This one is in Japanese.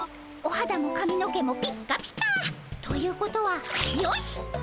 おはだもかみの毛もピッカピカ！ということはよし！